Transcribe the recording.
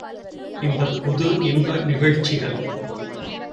இந்தப் புது இன்ப நிகழ்ச்சிகள்.